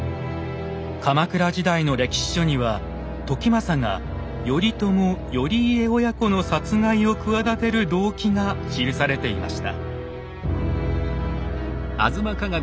鎌倉時代の歴史書には時政が頼朝・頼家親子の殺害を企てる動機が記されていました。